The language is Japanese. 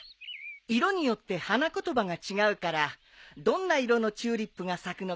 色によって花言葉が違うからどんな色のチューリップが咲くのか